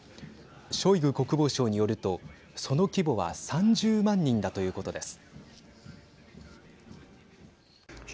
ショイグ国防相によるとその規模は３０万人だということです。